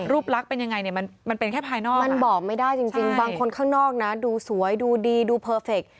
ลักษณ์เป็นยังไงเนี่ยมันเป็นแค่ภายนอกมันบอกไม่ได้จริงบางคนข้างนอกนะดูสวยดูดีดูเพอร์เฟค